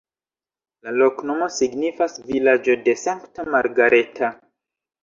La loknomo signifas vilaĝo-de-Sankta Margareta.